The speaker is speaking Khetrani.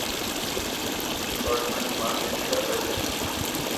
ڈیپارٹمنٹ مارکے تے علیحدہ ہین